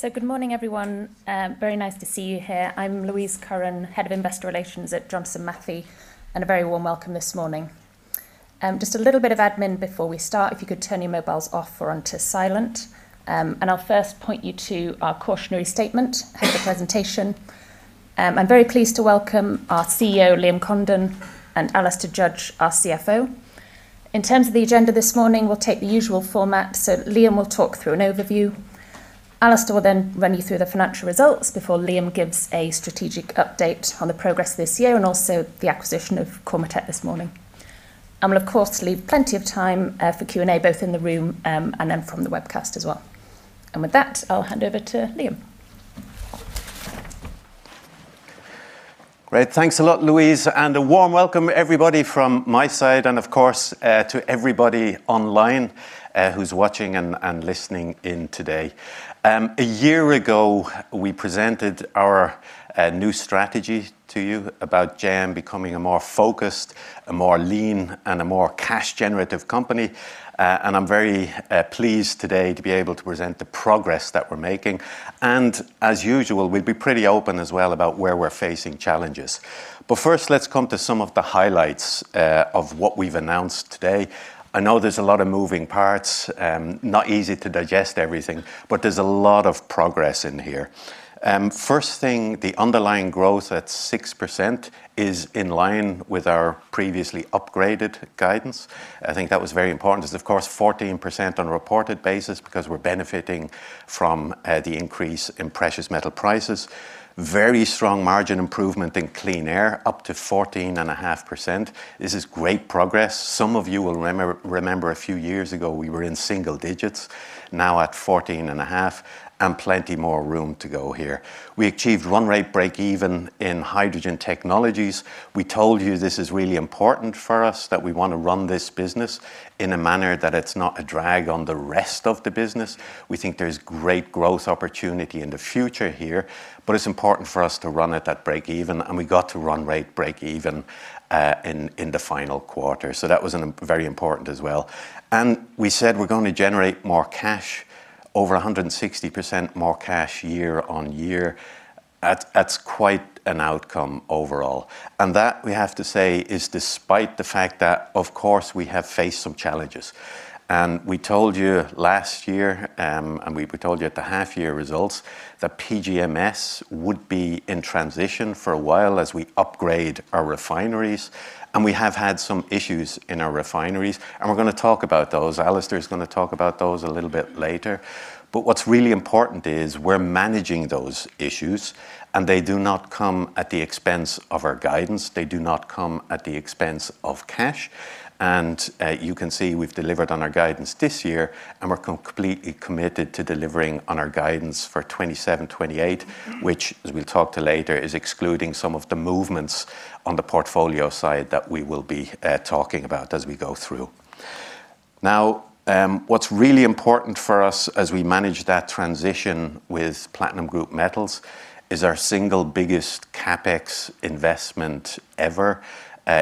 Good morning, everyone. Very nice to see you here. I'm Louise Curran, Head of Investor Relations at Johnson Matthey, and a very warm welcome this morning. Just a little bit of admin before we start. If you could turn your mobiles off or onto silent. I'll first point you to our cautionary statement at the presentation. I'm very pleased to welcome our CEO, Liam Condon, and Alastair Judge, our CFO. In terms of the agenda this morning, we'll take the usual format. Liam will talk through an overview. Alastair will run you through the financial results before Liam gives a strategic update on the progress this year and also the acquisition of Cormetech this morning. We'll, of course, leave plenty of time for Q&A, both in the room and then from the webcast as well. With that, I'll hand over to Liam. Great. Thanks a lot, Louise, and a warm welcome, everybody, from my side and of course, to everybody online who's watching and listening in today. A year ago, we presented our new strategy to you about JM becoming a more focused, a more lean, and a more cash-generative company. I'm very pleased today to be able to present the progress that we're making. As usual, we'll be pretty open as well about where we're facing challenges. First, let's come to some of the highlights of what we've announced today. I know there's a lot of moving parts, not easy to digest everything. There's a lot of progress in here. First thing, the underlying growth at 6% is in line with our previously upgraded guidance. I think that was very important. It's, of course, 14% on a reported basis because we're benefiting from the increase in precious metal prices. Very strong margin improvement in Clean Air, up to 14.5%. This is great progress. Some of you will remember a few years ago, we were in single digits. Now at 14.5%, plenty more room to go here. We achieved run rate breakeven in Hydrogen Technologies. We told you this is really important for us, that we want to run this business in a manner that it's not a drag on the rest of the business. We think there's great growth opportunity in the future here, but it's important for us to run at that breakeven, and we got to run rate breakeven in the final quarter. That was very important as well. We said we're going to generate more cash, over 160% more cash year-on-year. That's quite an outcome overall. That, we have to say, is despite the fact that, of course, we have faced some challenges. We told you last year, and we told you at the half-year results that PGMS would be in transition for a while as we upgrade our refineries. We have had some issues in our refineries, and we're going to talk about those. Alastair is going to talk about those a little bit later. What's really important is we're managing those issues, and they do not come at the expense of our guidance. They do not come at the expense of cash. You can see we've delivered on our guidance this year, we're completely committed to delivering on our guidance for 2027, 2028, which, as we'll talk to later, is excluding some of the movements on the portfolio side that we will be talking about as we go through. What's really important for us as we manage that transition with platinum group metals is our single biggest CapEx investment ever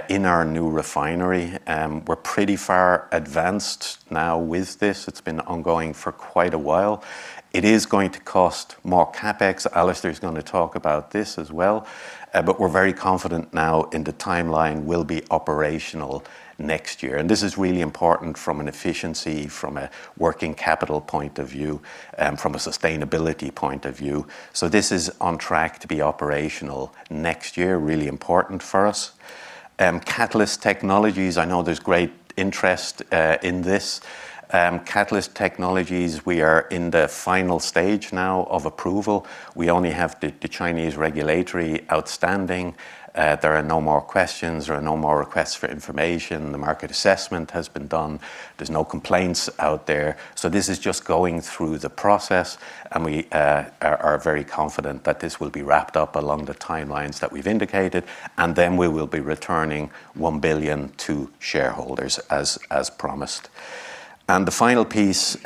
in our new refinery. We're pretty far advanced now with this. It's been ongoing for quite a while. It is going to cost more CapEx. Alastair is going to talk about this as well. We're very confident now in the timeline will be operational next year. This is really important from an efficiency, from a working capital point of view, from a sustainability point of view. This is on track to be operational next year. Really important for us. Catalyst Technologies, I know there's great interest in this. Catalyst Technologies, we are in the final stage now of approval. We only have the Chinese regulatory outstanding. There are no more questions. There are no more requests for information. The market assessment has been done. There's no complaints out there. This is just going through the process, and we are very confident that this will be wrapped up along the timelines that we've indicated, and then we will be returning 1 billion to shareholders as promised. The final piece,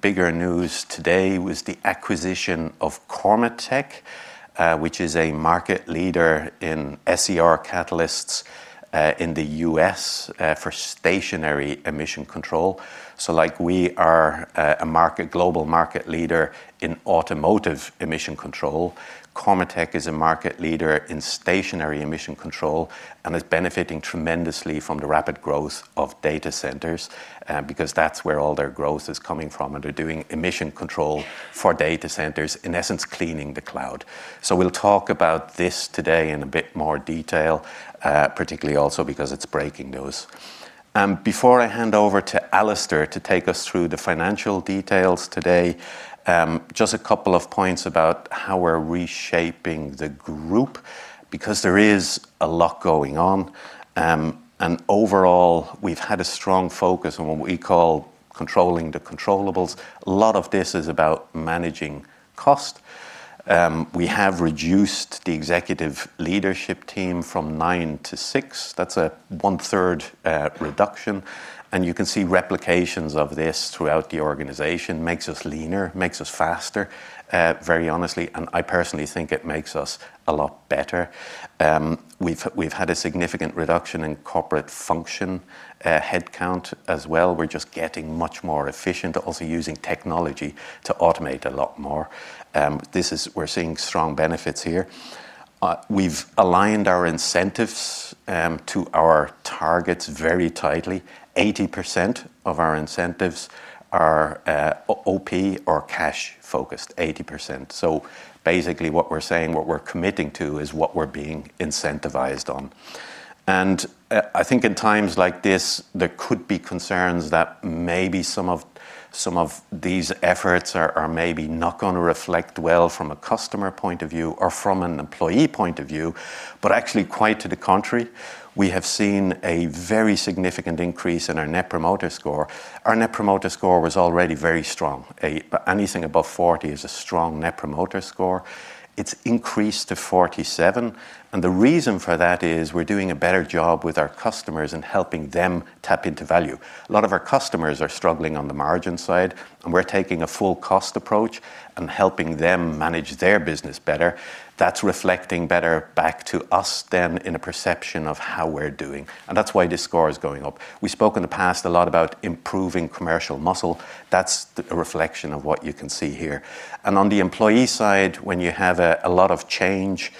bigger news today, was the acquisition of Cormetech, which is a market leader in SCR catalysts in the U.S. for stationary emission control. Like we are a global market leader in automotive emission control, Cormetech is a market leader in stationary emission control and is benefiting tremendously from the rapid growth of data centers because that's where all their growth is coming from. They're doing emission control for data centers, in essence, cleaning the cloud. We'll talk about this today in a bit more detail, particularly also because it's breaking news. Before I hand over to Alastair to take us through the financial details today, just a couple of points about how we're reshaping the group because there is a lot going on. Overall, we've had a strong focus on what we call controlling the controllables. A lot of this is about managing cost. We have reduced the executive leadership team from nine to six. That's a one-third reduction. You can see replications of this throughout the organization. Makes us leaner, makes us faster, very honestly, and I personally think it makes us a lot better. We've had a significant reduction in corporate function headcount as well. We're just getting much more efficient. Using technology to automate a lot more. We're seeing strong benefits here. We've aligned our incentives to our targets very tightly. 80% of our incentives are OP or cash focused, 80%. Basically what we're saying, what we're committing to is what we're being incentivized on. I think in times like this, there could be concerns that maybe some of these efforts are maybe not going to reflect well from a customer point of view or from an employee point of view. Actually, quite to the contrary, we have seen a very significant increase in our net promoter score. Our net promoter score was already very strong. Anything above 40 is a strong net promoter score. It's increased to 47, and the reason for that is we're doing a better job with our customers and helping them tap into value. A lot of our customers are struggling on the margin side, and we're taking a full cost approach and helping them manage their business better. That's reflecting better back to us than in a perception of how we're doing, and that's why this score is going up. We spoke in the past a lot about improving commercial muscle. That's a reflection of what you can see here. On the employee side, when you have a lot of change,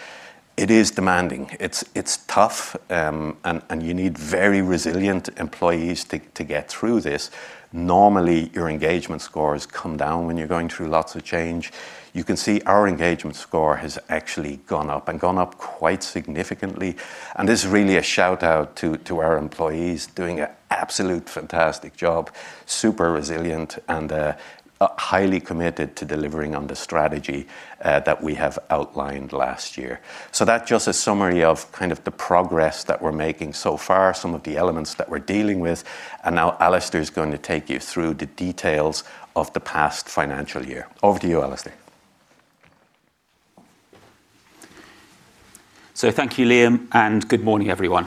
it is demanding. It's tough, and you need very resilient employees to get through this. Normally, your engagement scores come down when you're going through lots of change. You can see our engagement score has actually gone up and gone up quite significantly. This is really a shout-out to our employees doing an absolute fantastic job, super resilient and highly committed to delivering on the strategy that we have outlined last year. That just a summary of kind of the progress that we're making so far, some of the elements that we're dealing with. Now Alastair is going to take you through the details of the past financial year. Over to you, Alastair. Thank you, Liam, and good morning, everyone.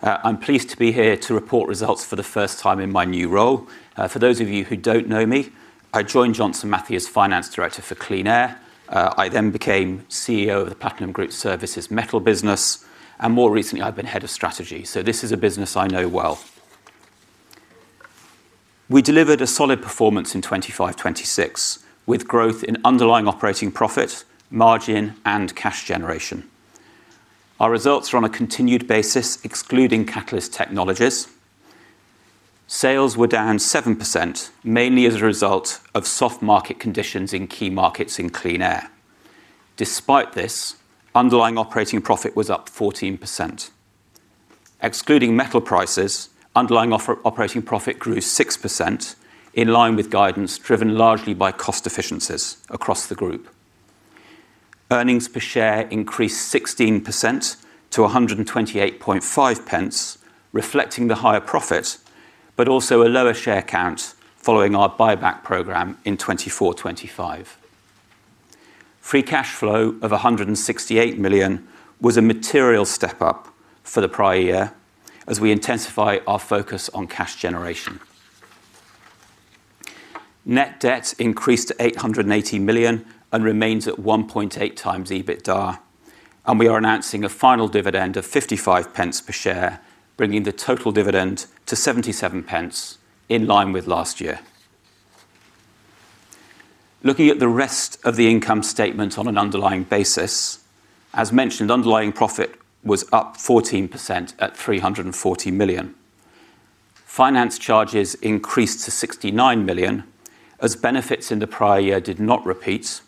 I'm pleased to be here to report results for the first time in my new role. For those of you who don't know me, I joined Johnson Matthey as finance director for Clean Air. I became CEO of the Platinum Group Metal Services business, and more recently, I've been head of strategy. This is a business I know well. We delivered a solid performance in 2025/2026 with growth in underlying operating profit, margin, and cash generation. Our results are on a continued basis excluding Catalyst Technologies. Sales were down 7%, mainly as a result of soft market conditions in key markets in Clean Air. Despite this, underlying operating profit was up 14%. Excluding metal prices, underlying operating profit grew 6%, in line with guidance driven largely by cost efficiencies across the group. Earnings per share increased 16% to 1.285, reflecting the higher profit, but also a lower share count following our buyback program in 2024/2025. Free cash flow of 168 million was a material step-up for the prior year as we intensify our focus on cash generation. Net debt increased to 880 million and remains at 1.8x EBITDA, and we are announcing a final dividend of 0.55 per share, bringing the total dividend to 0.77 in line with last year. Looking at the rest of the income statement on an underlying basis, as mentioned, underlying profit was up 14% at 340 million. Finance charges increased to 69 million as benefits in the prior year did not repeat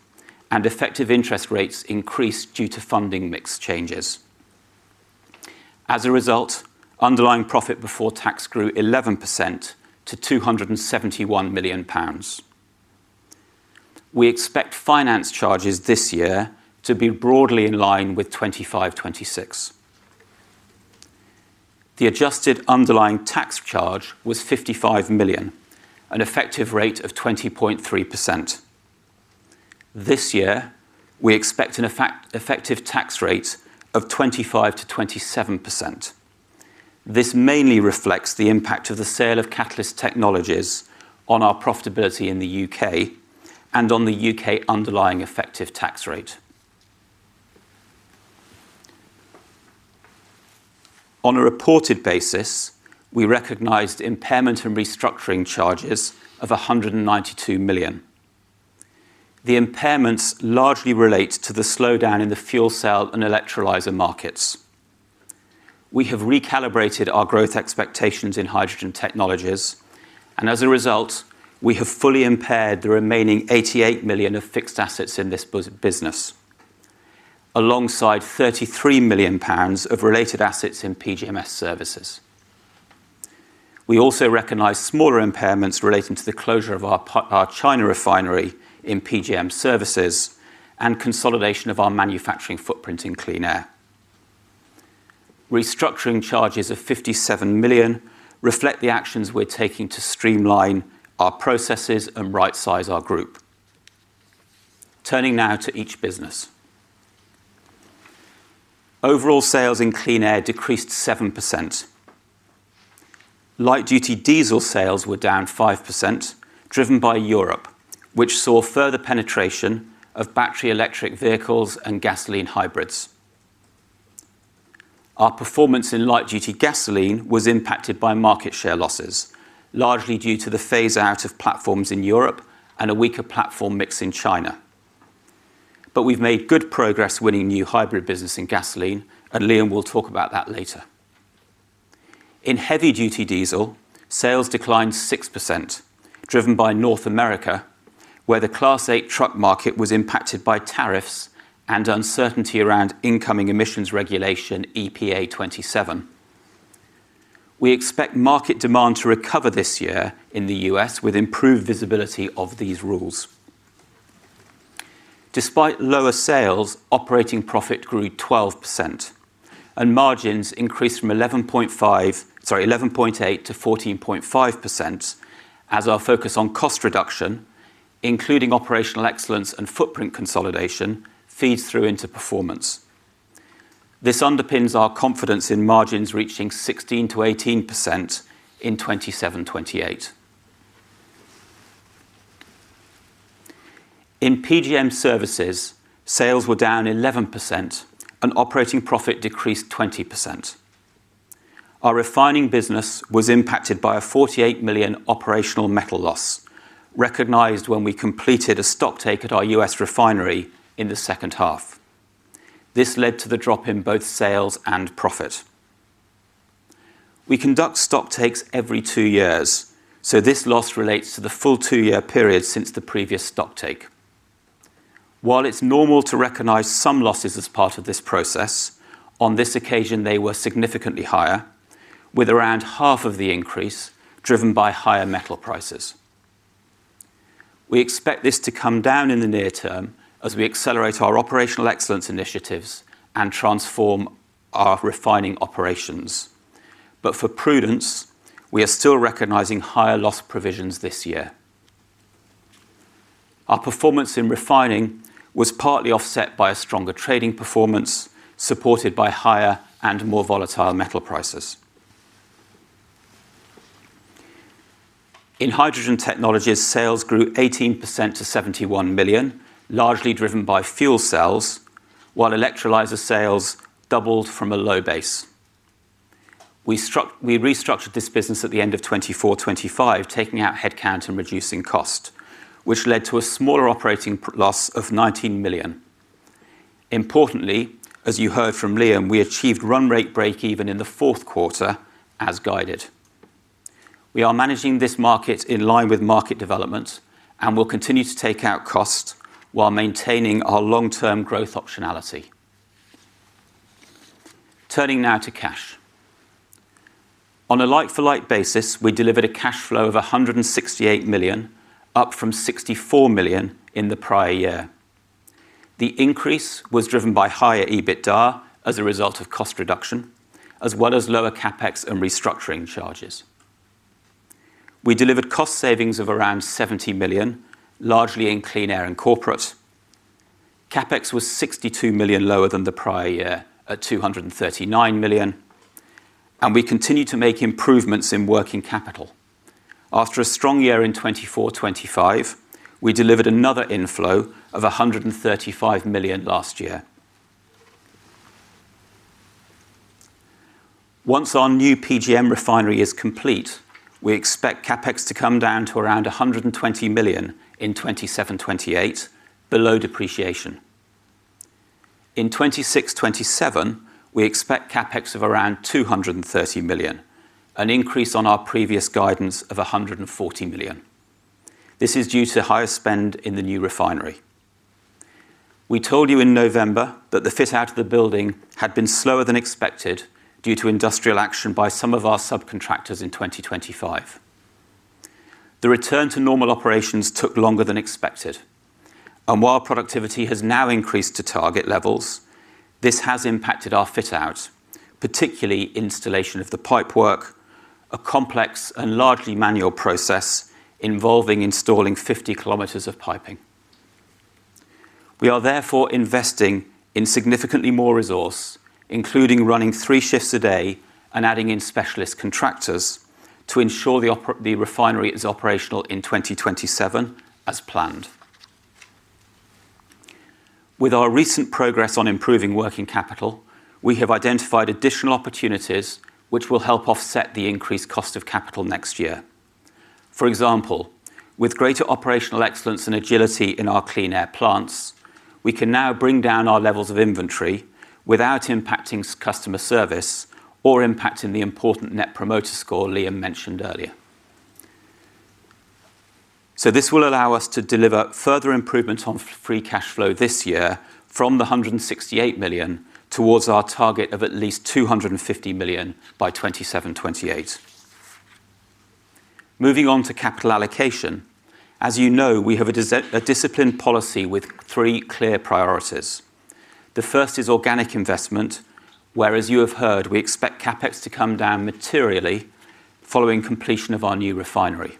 and effective interest rates increased due to funding mix changes. As a result, underlying profit before tax grew 11% to 271 million pounds. We expect finance charges this year to be broadly in line with 2025/2026. The adjusted underlying tax charge was 55 million, an effective rate of 20.3%. This year, we expect an effective tax rate of 25%-27%. This mainly reflects the impact of the sale of Catalyst Technologies on our profitability in the U.K. and on the U.K. underlying effective tax rate. On a reported basis, we recognized impairment and restructuring charges of 192 million. The impairments largely relate to the slowdown in the fuel cell and electrolyser markets. We have recalibrated our growth expectations in Hydrogen Technologies and as a result, we have fully impaired the remaining 88 million of fixed assets in this business, alongside 33 million pounds of related assets in PGMS services. We also recognize smaller impairments relating to the closure of our China refinery in PGM Services and consolidation of our manufacturing footprint in Clean Air. Restructuring charges of 57 million reflect the actions we're taking to streamline our processes and rightsize our group. Turning now to each business. Overall sales in Clean Air decreased 7%. Light-duty diesel sales were down 5%, driven by Europe, which saw further penetration of battery electric vehicles and gasoline hybrids. Our performance in light-duty gasoline was impacted by market share losses, largely due to the phase-out of platforms in Europe and a weaker platform mix in China. We've made good progress winning new hybrid business in gasoline, and Liam will talk about that later. In heavy-duty diesel, sales declined 6%, driven by North America, where the Class 8 truck market was impacted by tariffs and uncertainty around incoming emissions regulation EPA 2027. We expect market demand to recover this year in the U.S. with improved visibility of these rules. Despite lower sales, operating profit grew 12%, and margins increased from 11.8% to 14.5% as our focus on cost reduction, including operational excellence and footprint consolidation, feeds through into performance. This underpins our confidence in margins reaching 16%-18% in 2027, 2028. In PGM Services, sales were down 11%, and operating profit decreased 20%. Our refining business was impacted by a 48 million operational metal loss, recognized when we completed a stock take at our U.S. refinery in the second half. This led to the drop in both sales and profit. We conduct stock takes every two years, so this loss relates to the full two-year period since the previous stock take. While it's normal to recognize some losses as part of this process, on this occasion they were significantly higher, with around half of the increase driven by higher metal prices. We expect this to come down in the near term as we accelerate our operational excellence initiatives and transform our refining operations. For prudence, we are still recognizing higher loss provisions this year. Our performance in refining was partly offset by a stronger trading performance, supported by higher and more volatile metal prices. In Hydrogen Technologies, sales grew 18% to 71 million, largely driven by fuel cells, while electrolyser sales doubled from a low base. We restructured this business at the end of 2024, 2025, taking out headcount and reducing cost, which led to a smaller operating loss of 90 million. Importantly, as you heard from Liam, we achieved run rate breakeven in the fourth quarter as guided. We are managing this market in line with market development and will continue to take out cost while maintaining our long-term growth optionality. Turning now to cash. On a like-for-like basis, we delivered a cash flow of 168 million, up from 64 million in the prior year. The increase was driven by higher EBITDA as a result of cost reduction, as well as lower CapEx and restructuring charges. We delivered cost savings of around 70 million, largely in Clean Air and corporate. CapEx was 62 million lower than the prior year at 239 million, and we continue to make improvements in working capital. After a strong year in 2024, 2025, we delivered another inflow of 135 million last year. Once our new PGM refinery is complete, we expect CapEx to come down to around 120 million in 2027, 2028, below depreciation. In 2026, 2027, we expect CapEx of around 230 million, an increase on our previous guidance of 140 million. This is due to higher spend in the new refinery. We told you in November that the fit-out of the building had been slower than expected due to industrial action by some of our subcontractors in 2025. The return to normal operations took longer than expected, while productivity has now increased to target levels, this has impacted our fit-out, particularly installation of the pipework, a complex and largely manual process involving installing 50 km of piping. We are therefore investing in significantly more resource, including running three shifts a day and adding in specialist contractors to ensure the refinery is operational in 2027 as planned. With our recent progress on improving working capital, we have identified additional opportunities which will help offset the increased cost of capital next year. For example, with greater operational excellence and agility in our Clean Air plants, we can now bring down our levels of inventory without impacting customer service or impacting the important net promoter score Liam mentioned earlier. This will allow us to deliver further improvement on free cash flow this year from 168 million towards our target of at least 250 million by 2027, 2028. Moving on to capital allocation. As you know, we have a disciplined policy with three clear priorities. The first is organic investment, where, as you have heard, we expect CapEx to come down materially following completion of our new refinery.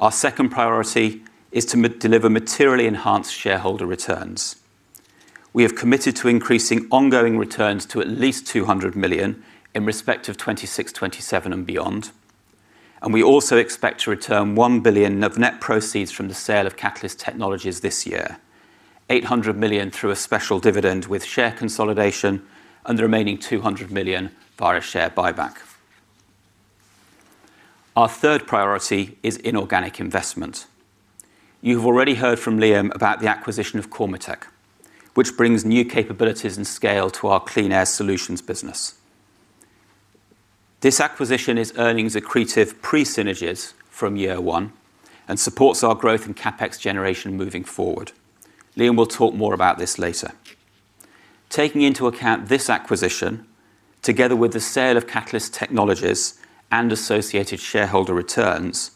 Our second priority is to deliver materially enhanced shareholder returns. We have committed to increasing ongoing returns to at least 200 million in respect of 2026, 2027 and beyond. We also expect to return 1 billion of net proceeds from the sale of Catalyst Technologies this year. 800 million through a special dividend with share consolidation and the remaining 200 million via share buyback. Our third priority is inorganic investment. You've already heard from Liam about the acquisition of Cormetech, which brings new capabilities and scale to our Clean Air Solutions business. This acquisition is earnings accretive pre-synergies from year one and supports our growth in CapEx generation moving forward. Liam will talk more about this later. Taking into account this acquisition, together with the sale of Catalyst Technologies and associated shareholder returns,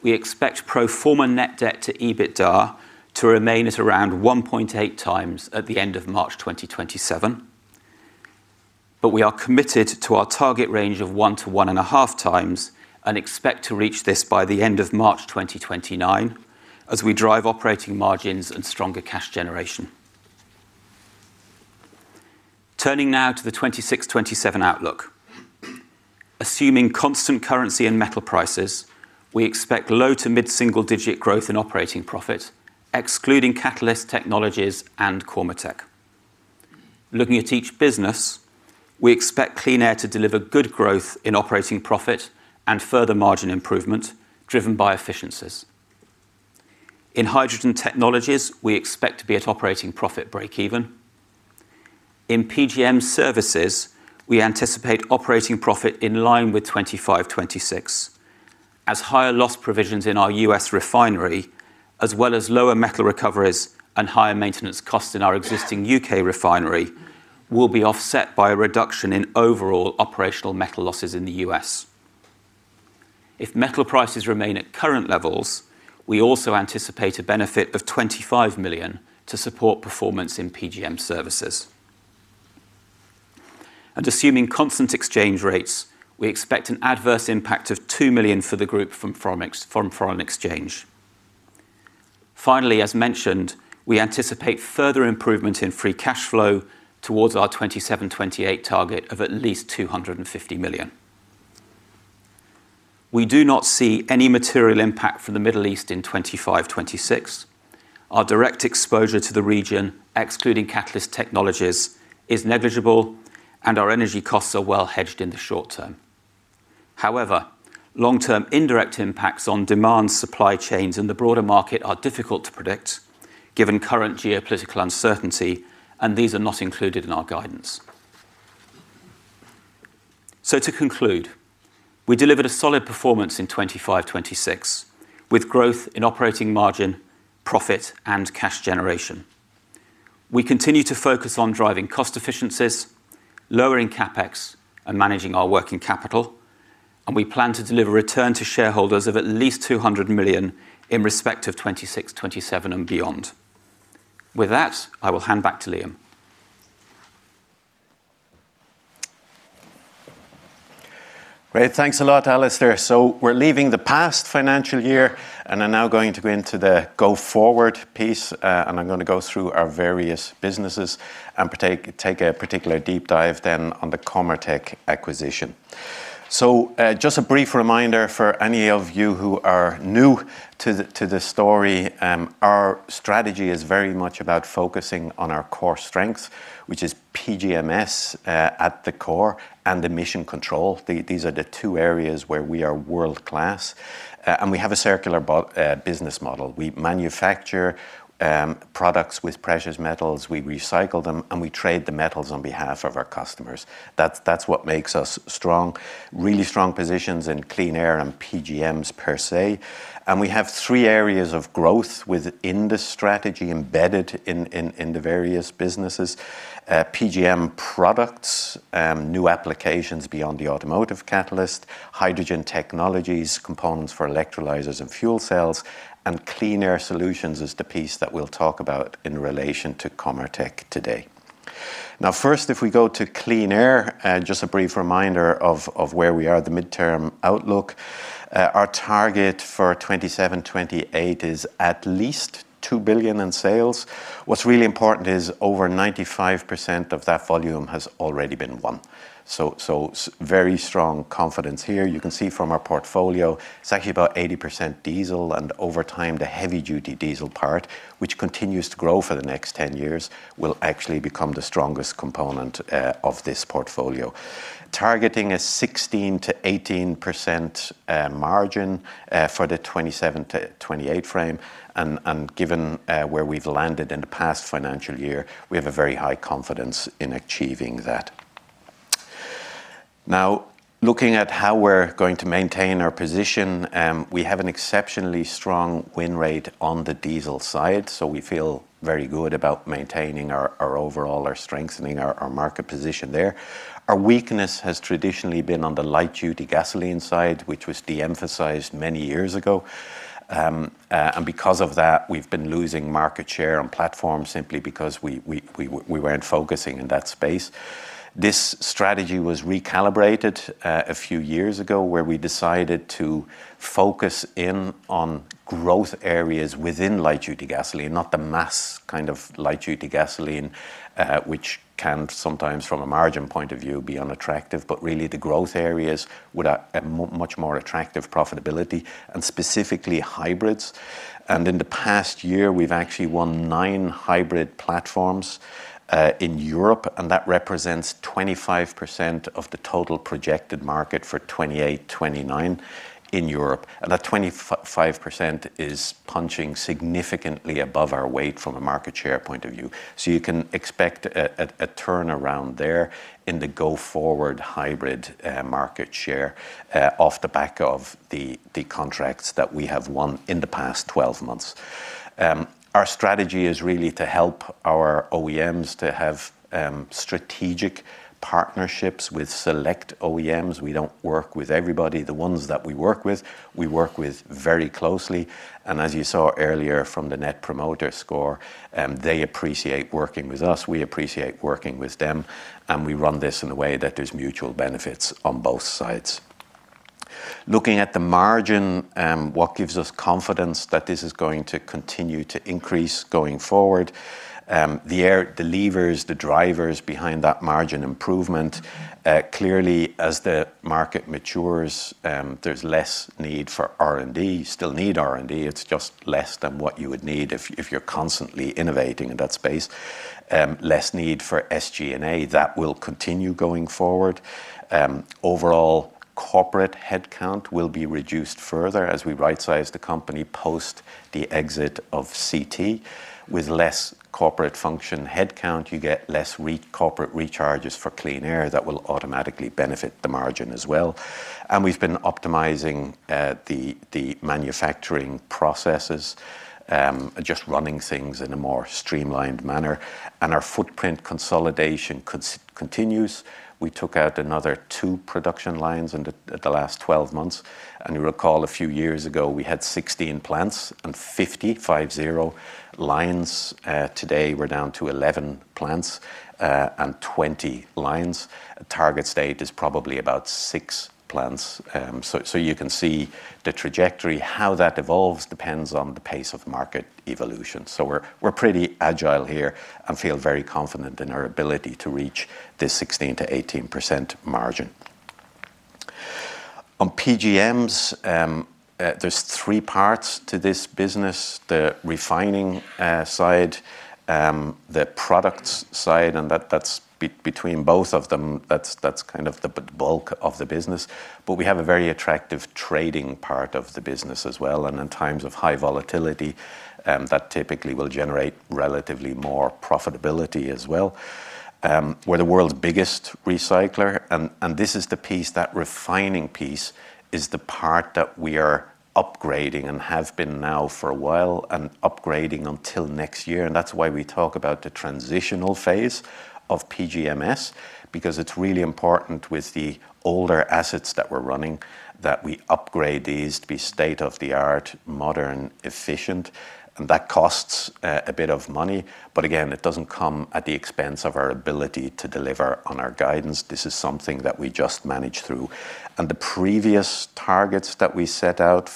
we expect pro forma net debt to EBITDA to remain at around 1.8x at the end of March 2027. We are committed to our target range of 1x-1.5x and expect to reach this by the end of March 2029 as we drive operating margins and stronger cash generation. Turning now to the 2026/2027 outlook. Assuming constant currency and metal prices, we expect low to mid-single digit growth in operating profit, excluding Catalyst Technologies and Cormetech. Looking at each business, we expect Clean Air to deliver good growth in operating profit and further margin improvement driven by efficiencies. In Hydrogen Technologies, we expect to be at operating profit breakeven. In PGM Services, we anticipate operating profit in line with 2025/2026, as higher loss provisions in our U.S. refinery, as well as lower metal recoveries and higher maintenance costs in our existing U.K. refinery, will be offset by a reduction in overall operational metal losses in the U.S. If metal prices remain at current levels, we also anticipate a benefit of 25 million to support performance in PGM Services. Assuming constant exchange rates, we expect an adverse impact of 2 million for the group from foreign exchange. Finally, as mentioned, we anticipate further improvement in free cash flow towards our 2027/2028 target of at least 250 million. We do not see any material impact from the Middle East in 2025/2026. Our direct exposure to the region, excluding Catalyst Technologies, is negligible and our energy costs are well hedged in the short term. Long-term indirect impacts on demand supply chains in the broader market are difficult to predict given current geopolitical uncertainty and these are not included in our guidance. To conclude, we delivered a solid performance in 2025/2026 with growth in operating margin, profit and cash generation. We continue to focus on driving cost efficiencies, lowering CapEx and managing our working capital. We plan to deliver return to shareholders of at least 200 million in respect of 2026/2027 and beyond. With that, I will hand back to Liam. Great. Thanks a lot, Alastair Judge. We're leaving the past financial year and are now going to go into the go-forward piece, and I'm going to go through our various businesses and take a particular deep dive then on the Cormetech acquisition. Just a brief reminder for any of you who are new to the story, our strategy is very much about focusing on our core strengths, which is PGMS at the core and emission control. These are the two areas where we are world-class. We have a circular business model. We manufacture products with precious metals, we recycle them and we trade the metals on behalf of our customers. That's what makes us strong. Really strong positions in Clean Air and PGMs per se. We have three areas of growth within the strategy embedded in the various businesses. PGM products, new applications beyond the automotive catalyst, Hydrogen Technologies components for electrolyzers and fuel cells, and Clean Air Solutions is the piece that we'll talk about in relation to Cormetech today. First, if we go to Clean Air, just a brief reminder of where we are, the midterm outlook. Our target for 2027/2028 is at least 2 billion in sales. What's really important is over 95% of that volume has already been won. Very strong confidence here. You can see from our portfolio, it's actually about 80% diesel and over time the heavy-duty diesel part, which continues to grow for the next 10 years, will actually become the strongest component of this portfolio. Targeting a 16%-18% margin for the 2027-2028 frame and given where we've landed in the past financial year, we have a very high confidence in achieving that. Looking at how we're going to maintain our position, we have an exceptionally strong win rate on the diesel side, so we feel very good about maintaining our overall or strengthening our market position there. Our weakness has traditionally been on the light-duty gasoline side, which was de-emphasized many years ago. Because of that we've been losing market share and platform simply because we weren't focusing in that space. This strategy was recalibrated a few years ago where we decided to focus in on growth areas within light-duty gasoline, not the mass kind of light-duty gasoline, which can sometimes, from a margin point of view, be unattractive, but really the growth areas with a much more attractive profitability and specifically hybrids. In the past year, we've actually won nine hybrid platforms in Europe, and that represents 25% of the total projected market for 2028, 2029 in Europe. That 25% is punching significantly above our weight from a market share point of view. You can expect a turnaround there in the go-forward hybrid market share off the back of the contracts that we have won in the past 12 months. Our strategy is really to help our OEMs to have strategic partnerships with select OEMs. We don't work with everybody. The ones that we work with, we work with very closely, and as you saw earlier from the net promoter score, they appreciate working with us, we appreciate working with them, and we run this in a way that there's mutual benefits on both sides. Looking at the margin, what gives us confidence that this is going to continue to increase going forward? The levers, the drivers behind that margin improvement. Clearly, as the market matures there's less need for R&D. Still need R&D, it's just less than what you would need if you're constantly innovating in that space. Less need for SG&A. That will continue going forward. Overall corporate headcount will be reduced further as we rightsize the company post the exit of CT. With less corporate function headcount, you get less corporate recharges for Clean Air that will automatically benefit the margin as well. We've been optimizing the manufacturing processes, just running things in a more streamlined manner. Our footprint consolidation continues. We took out another two production lines in the last 12 months. You recall a few years ago, we had 16 plants and 50, five-zero, lines. Today, we're down to 11 plants and 20 lines. Target state is probably about six plants. You can see the trajectory. How that evolves depends on the pace of market evolution. We're pretty agile here and feel very confident in our ability to reach this 16%-18% margin. On PGMs, there's three parts to this business, the refining side, the products side, and between both of them that's kind of the bulk of the business. We have a very attractive trading part of the business as well, and in times of high volatility, that typically will generate relatively more profitability as well. We're the world's biggest recycler, and this is the piece, that refining piece is the part that we are upgrading and have been now for a while, and upgrading until next year. That's why we talk about the transitional phase of PGMS because it's really important with the older assets that we're running, that we upgrade these to be state-of-the-art, modern, efficient, and that costs a bit of money. Again, it doesn't come at the expense of our ability to deliver on our guidance. This is something that we just manage through. The previous targets that we set out,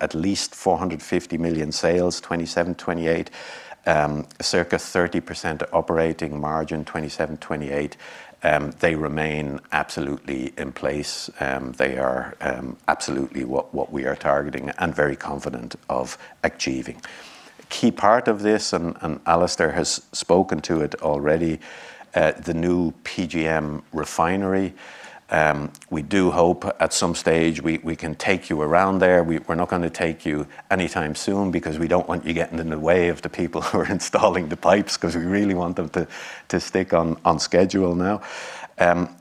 at least 450 million sales 2027, 2028, circa 30% operating margin 2027, 2028 they remain absolutely in place. They are absolutely what we are targeting and very confident of achieving. A key part of this, and Alastair has spoken to it already, the new PGM refinery. We do hope at some stage we can take you around there. We're not going to take you anytime soon because we don't want you getting in the way of the people who are installing the pipes because we really want them to stick on schedule now.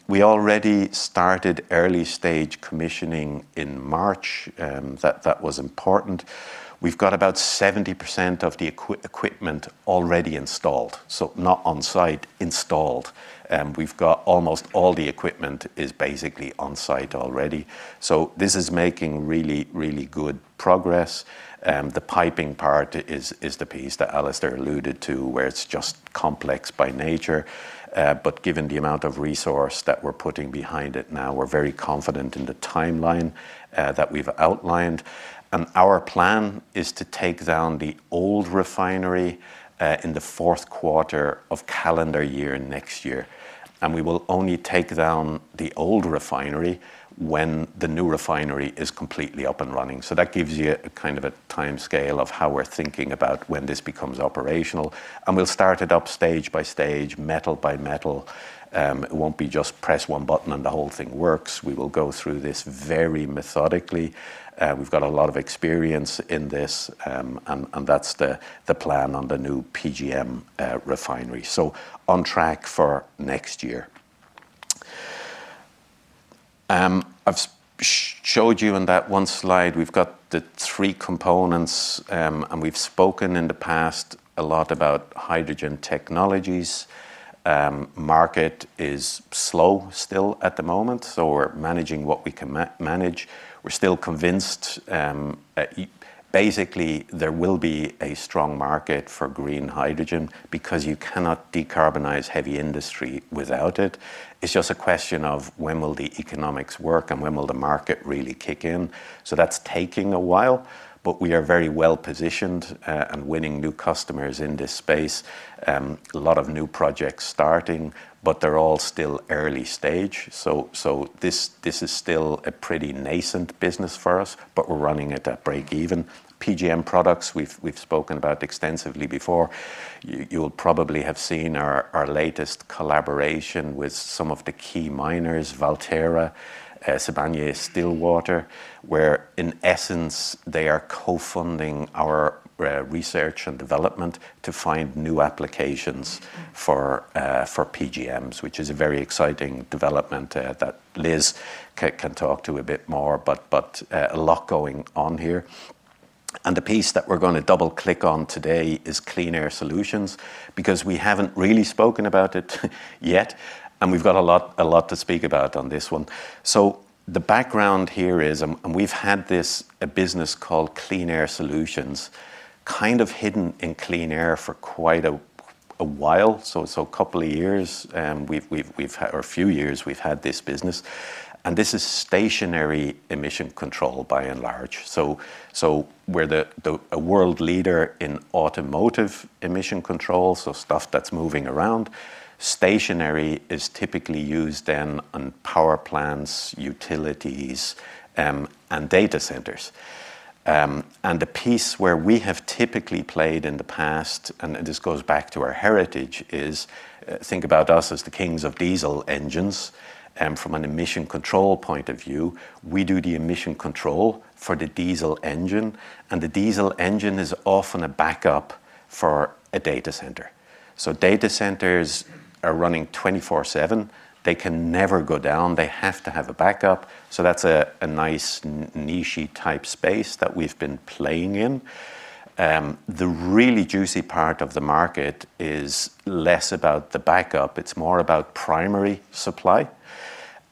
We already started early stage commissioning in March. That was important. We've got about 70% of the equipment already installed. Not on site, installed. We've got almost all the equipment is basically on site already. This is making really good progress. The piping part is the piece that Alastair alluded to where it's just complex by nature. Given the amount of resource that we're putting behind it now, we're very confident in the timeline that we've outlined. Our plan is to take down the old refinery in the fourth quarter of calendar year next year. We will only take down the old refinery when the new refinery is completely up and running. That gives you kind of a timescale of how we're thinking about when this becomes operational. We'll start it up stage by stage, metal by metal. It won't be just press one button and the whole thing works. We will go through this very methodically. We've got a lot of experience in this, and that's the plan on the new PGM refinery. On track for next year. I've showed you in that one slide we've got the three components, and we've spoken in the past a lot about Hydrogen Technologies. Market is slow still at the moment, so we're managing what we can manage. We're still convinced. Basically, there will be a strong market for green hydrogen because you cannot decarbonize heavy industry without it. It's just a question of when will the economics work and when will the market really kick in. That's taking a while, but we are very well-positioned and winning new customers in this space. A lot of new projects starting, but they're all still early stage. This is still a pretty nascent business for us, but we're running it at breakeven. PGM products we've spoken about extensively before. You'll probably have seen our latest collaboration with some of the key miners, Valterra, Sibanye-Stillwater, where in essence, they are co-funding our research and development to find new applications for PGMs, which is a very exciting development that Louise can talk to a bit more. A lot going on here. The piece that we're going to double-click on today is Clean Air Solutions, because we haven't really spoken about it yet, and we've got a lot to speak about on this one. The background here is, we've had this business called Clean Air Solutions kind of hidden in Clean Air for quite a while. A couple of years, or a few years, we've had this business, this is stationary emission control by and large. We're a world leader in automotive emission control, stuff that's moving around. Stationary is typically used on power plants, utilities, and data centers. The piece where we have typically played in the past, and this goes back to our heritage, is think about us as the kings of diesel engines, from an emission control point of view. We do the emission control for the diesel engine, and the diesel engine is often a backup for a data center. Data centers are running 24/7. They can never go down. They have to have a backup. That's a nice niche-y type space that we've been playing in. The really juicy part of the market is less about the backup, it's more about primary supply,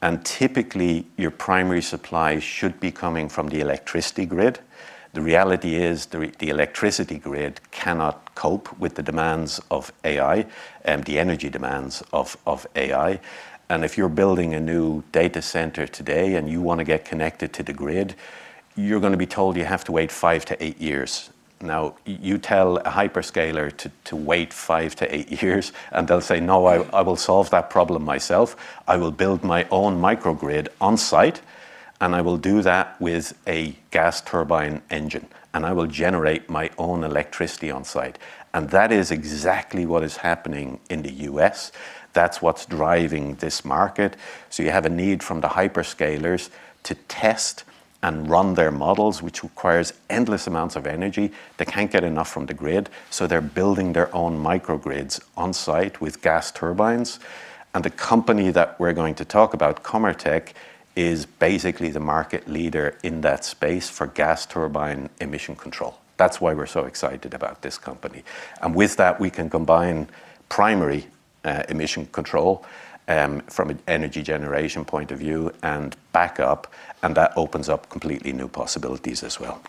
and typically, your primary supply should be coming from the electricity grid. The reality is the electricity grid cannot cope with the demands of AI, the energy demands of AI. If you're building a new data center today and you want to get connected to the grid, you're going to be told you have to wait five to eight years. You tell a hyperscaler to wait five to eight years, and they'll say, No, I will solve that problem myself. I will build my own microgrid on-site, and I will do that with a gas turbine engine, and I will generate my own electricity on-site. That is exactly what is happening in the U.S. That's what's driving this market. You have a need from the hyperscalers to test and run their models, which requires endless amounts of energy. They can't get enough from the grid, so they're building their own microgrids on-site with gas turbines. The company that we're going to talk about, Cormetech, is basically the market leader in that space for gas turbine emission control. That's why we're so excited about this company. With that, we can combine primary emission control from an energy generation point of view and backup, and that opens up completely new possibilities as well.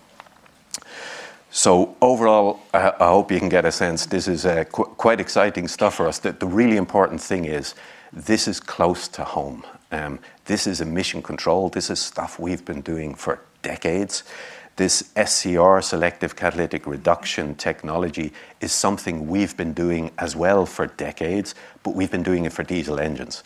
Overall, I hope you can get a sense this is quite exciting stuff for us. The really important thing is this is close to home. This is emission control. This is stuff we've been doing for decades. This SCR selective catalytic reduction technology is something we've been doing as well for decades, but we've been doing it for diesel engines.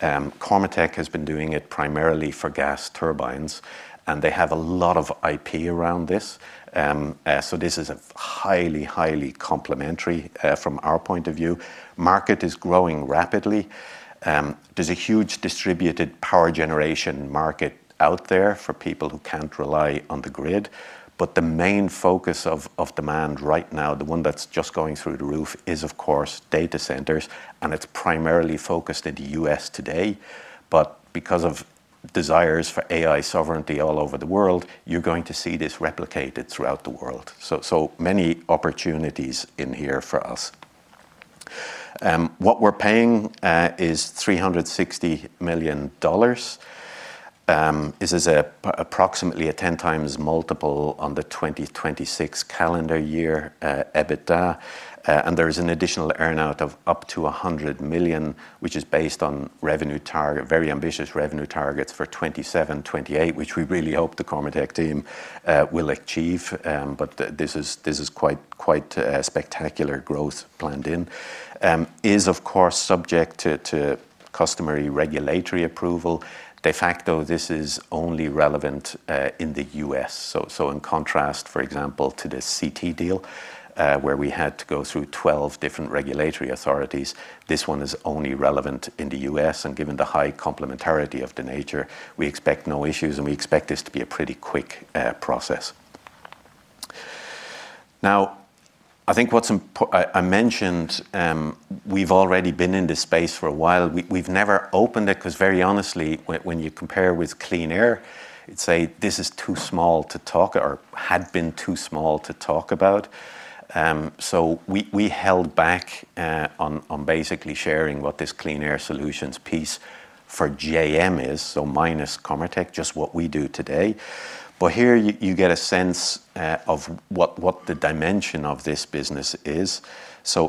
Cormetech has been doing it primarily for gas turbines, and they have a lot of IP around this. This is highly complementary from our point of view. Market is growing rapidly. There's a huge distributed power generation market out there for people who can't rely on the grid. The main focus of demand right now, the one that's just going through the roof, is of course, data centers, and it's primarily focused in the U.S. today. Because of desires for AI sovereignty all over the world, you're going to see this replicated throughout the world. Many opportunities in here for us. What we're paying is $360 million. This is approximately a 10x multiple on the 2026 calendar year EBITDA. There is an additional earn-out of up to 100 million, which is based on very ambitious revenue targets for 2027, 2028, which we really hope the Cormetech team will achieve. This is quite spectacular growth planned in. It is, of course, subject to customary regulatory approval. De facto, this is only relevant in the U.S. In contrast, for example, to the CT deal, where we had to go through 12 different regulatory authorities, this one is only relevant in the U.S. Given the high complementarity of the nature, we expect no issues, and we expect this to be a pretty quick process. I mentioned we've already been in this space for a while. We've never opened it because very honestly, when you compare with Clean Air, you'd say, this is too small to talk, or had been too small to talk about. We held back on basically sharing what this Clean Air Solutions piece for Johnson Matthey is. Minus Cormetech, just what we do today. Here you get a sense of what the dimension of this business is.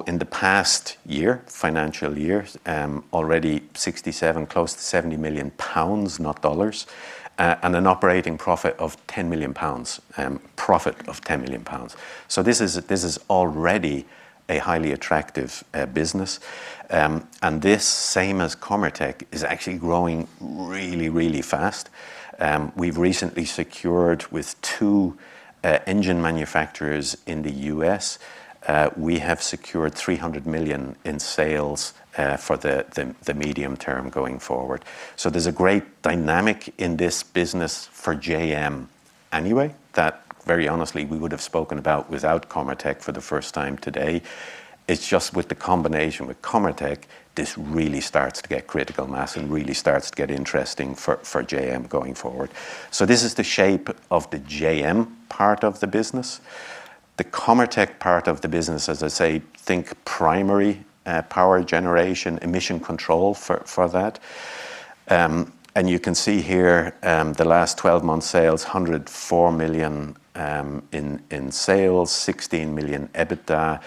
In the past financial year, already 67 million, close to 70 million pounds, not dollars, and an operating profit of 10 million pounds. Profit of 10 million pounds. This is already a highly attractive business. This, same as Cormetech, is actually growing really fast. We've recently secured with two engine manufacturers in the U.S. We have secured 300 million in sales for the medium term going forward. There's a great dynamic in this business for JM anyway, that very honestly we would have spoken about without Cormetech for the first time today. It's just with the combination with Cormetech, this really starts to get critical mass and really starts to get interesting for JM going forward. This is the shape of the JM part of the business. The Cormetech part of the business, as I say, think primary power generation, emission control for that. You can see here, the last 12 months sales, 104 million in sales, 16 million EBITDA.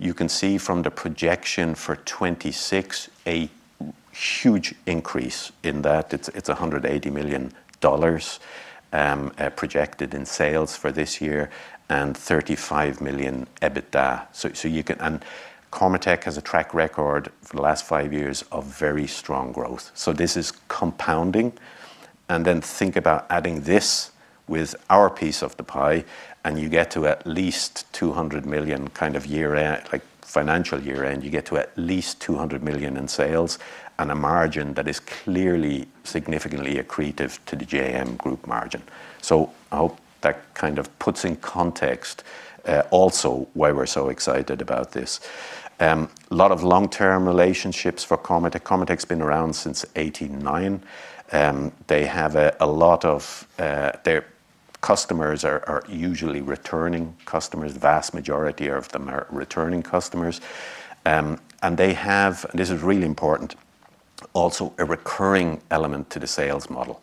You can see from the projection for 2026, a huge increase in that. It's $180 million projected in sales for this year and $35 million EBITDA. Cormetech has a track record for the last five years of very strong growth. This is compounding. Then think about adding this with our piece of the pie, and you get to at least 200 million kind of financial year-end. You get to at least 200 million in sales and a margin that is clearly significantly accretive to the JM group margin. I hope that kind of puts in context also why we're so excited about this. A lot of long-term relationships for Cormetech. Cormetech's been around since 1989. Their customers are usually returning customers. The vast majority of them are returning customers. They have, and this is really important, also a recurring element to the sales model.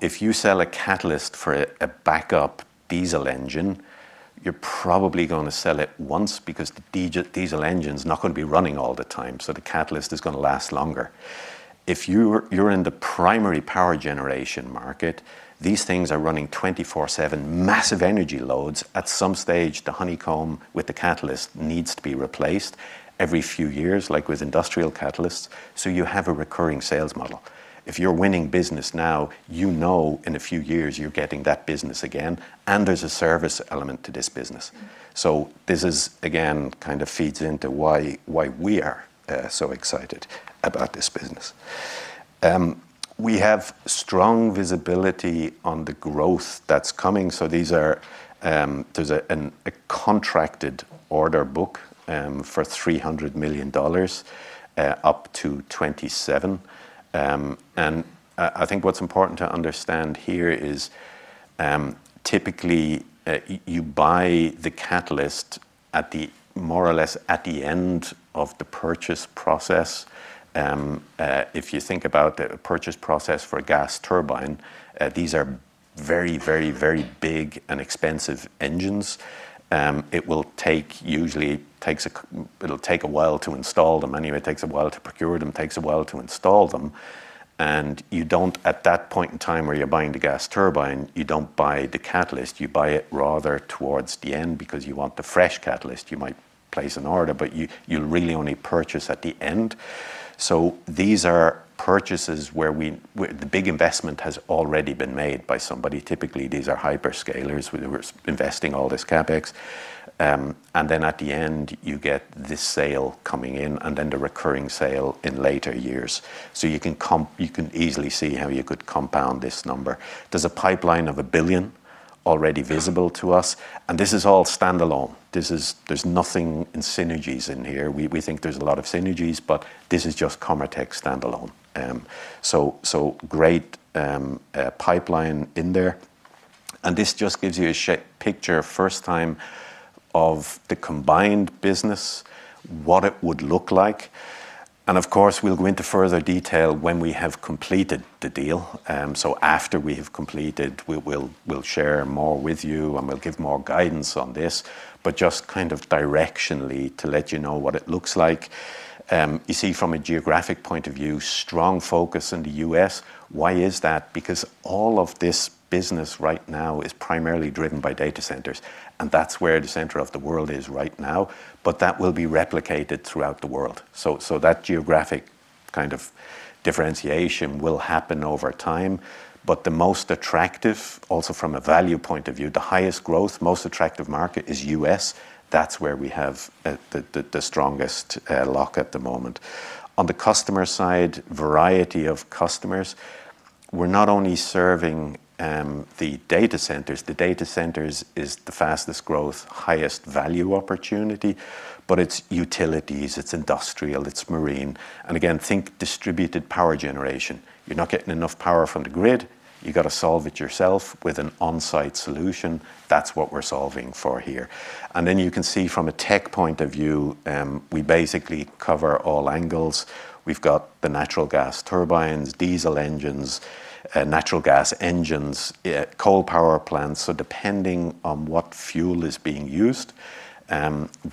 If you sell a catalyst for a backup diesel engine, you're probably going to sell it once because the diesel engine's not going to be running all the time, so the catalyst is going to last longer. If you're in the primary power generation market, these things are running 24/7, massive energy loads. At some stage, the honeycomb with the catalyst needs to be replaced every few years, like with industrial catalysts. You have a recurring sales model. If you're winning business now, you know in a few years you're getting that business again, and there's a service element to this business. This again, kind of feeds into why we are so excited about this business. We have strong visibility on the growth that's coming. There's a contracted order book for GBP 300 million up to 2027. I think what's important to understand here is, typically, you buy the catalyst more or less at the end of the purchase process. If you think about the purchase process for a gas turbine, these are very big and expensive engines. It'll take a while to install them. Anyway, it takes a while to procure them, takes a while to install them. At that point in time where you're buying the gas turbine, you don't buy the catalyst. You buy it rather towards the end because you want the fresh catalyst. You might place an order, you'll really only purchase at the end. These are purchases where the big investment has already been made by somebody. Typically, these are hyperscalers who are investing all this CapEx. At the end, you get this sale coming in and then the recurring sale in later years. You can easily see how you could compound this number. There's a pipeline of 1 billion already visible to us, and this is all standalone. There's nothing in synergies in here. We think there's a lot of synergies, but this is just Cormetech standalone. Great pipeline in there. This just gives you a picture, first time, of the combined business, what it would look like. Of course, we'll go into further detail when we have completed the deal. After we have completed, we'll share more with you and we'll give more guidance on this, but just kind of directionally to let you know what it looks like. You see from a geographic point of view, strong focus in the U.S. Why is that? All of this business right now is primarily driven by data centers, and that's where the center of the world is right now. That will be replicated throughout the world. That geographic kind of differentiation will happen over time. The most attractive, also from a value point of view, the highest growth, most attractive market is U.S. That's where we have the strongest lock at the moment. On the customer side, variety of customers. We're not only serving the data centers. The data centers is the fastest growth, highest value opportunity, but it's utilities, it's industrial, it's marine. Again, think distributed power generation. You're not getting enough power from the grid. You got to solve it yourself with an on-site solution. That's what we're solving for here. You can see from a tech point of view, we basically cover all angles. We've got the natural gas turbines, diesel engines, natural gas engines, coal power plants. Depending on what fuel is being used,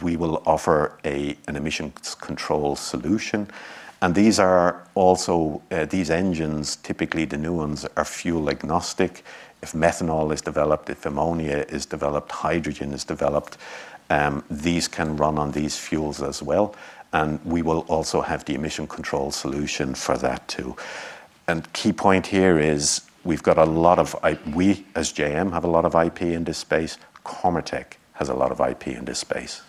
we will offer an emissions control solution. These engines, typically the new ones, are fuel agnostic. If methanol is developed, if ammonia is developed, hydrogen is developed, these can run on these fuels as well, and we will also have the emission control solution for that, too. Key point here is we as JM have a lot of IP in this space. Cormetech has a lot of IP in this space.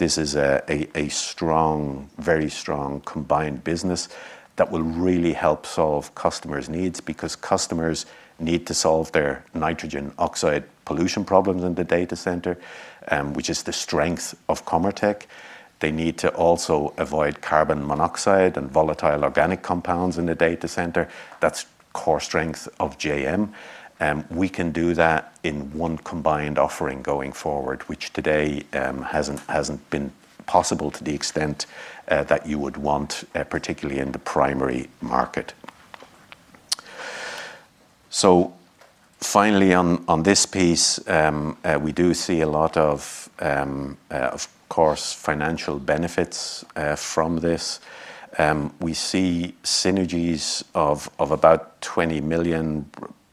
This is a very strong combined business that will really help solve customers' needs because customers need to solve their nitrogen oxide pollution problems in the data center, which is the strength of Cormetech. They need to also avoid carbon monoxide and volatile organic compounds in the data center. That's core strength of JM. We can do that in one combined offering going forward, which today hasn't been possible to the extent that you would want, particularly in the primary market. Finally, on this piece, we do see a lot of course, financial benefits from this. We see synergies of about 20 million,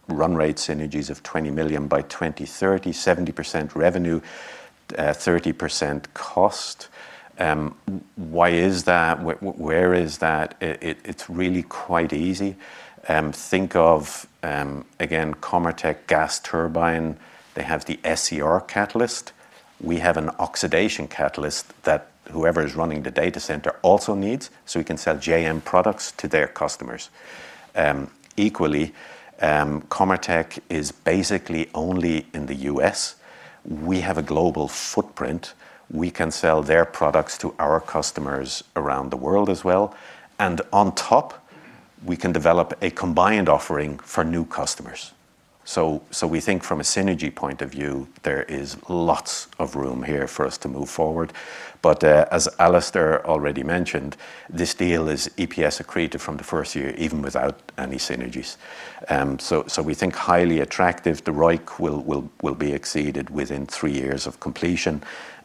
run rate synergies of 20 million by 2030, 70% revenue, 30% cost. Why is that? Where is that? It's really quite easy. Think of, again, Cormetech gas turbine. They have the SCR catalyst. We have an oxidation catalyst that whoever is running the data center also needs, so we can sell JM products to their customers. Equally, Cormetech is basically only in the U.S. We have a global footprint. We can sell their products to our customers around the world as well. On top, we can develop a combined offering for new customers. We think from a synergy point of view, there is lots of room here for us to move forward. As Alastair already mentioned, this deal is EPS accretive from the first year, even without any synergies. We think highly attractive. The ROIC will be exceeded within three years of completion.